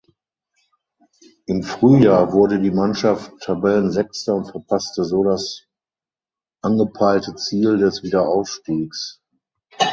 Im Frühjahr wurde die Mannschaft Tabellensechster und verpasste so das angepeilte Ziel des Wiederaufstiegs.